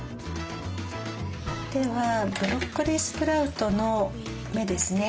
ではブロッコリースプラウトの芽ですね